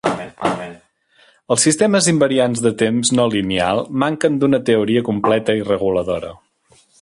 Els sistemes invariants de temps no lineal manquen d'una teoria completa i reguladora.